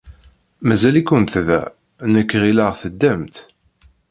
Mazal-ikent da? Nekk ɣileɣ teddamt.